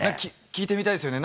聞いてみたいですよね。